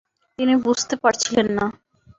তিনি বুঝতে পারছিলেন না।